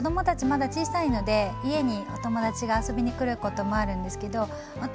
まだ小さいので家にお友達が遊びに来ることもあるんですけど私